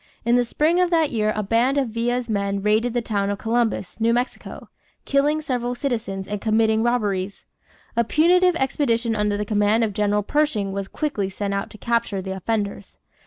In the spring of that year a band of Villa's men raided the town of Columbus, New Mexico, killing several citizens and committing robberies. A punitive expedition under the command of General Pershing was quickly sent out to capture the offenders.